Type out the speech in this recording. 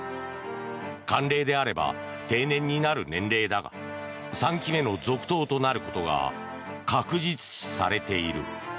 慣例であれば定年になる年齢だが３期目の続投となることが確実視されている。